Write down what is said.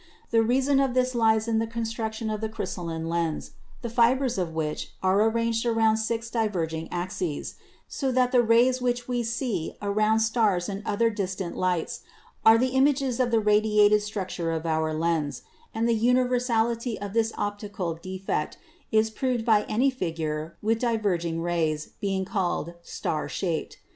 The reason of this lies in the construction of the crystalline lens, the fibers of which are arranged around six diverg ing axes, so that the rays which we see around stars and other distant lights are images of the radiated structure of our lens; and the universality of this optical defect is proved by any figure with diverging rays, being called 'star shaped.'